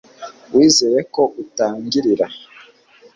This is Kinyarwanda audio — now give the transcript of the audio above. wizeye ko utangirira